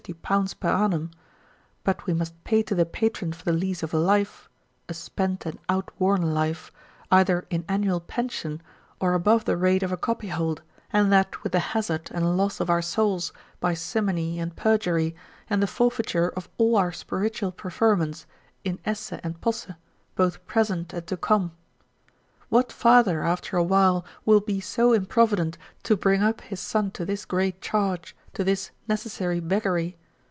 _ per annum, but we must pay to the patron for the lease of a life (a spent and out worn life) either in annual pension, or above the rate of a copyhold, and that with the hazard and loss of our souls, by simony and perjury, and the forfeiture of all our spiritual preferments, in esse and posse, both present and to come. What father after a while will be so improvident to bring up his son to his great charge, to this necessary beggary?